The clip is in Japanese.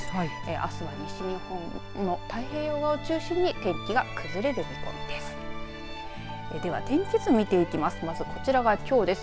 あすは西日本の太平洋側を中心に天気が崩れる見込みです。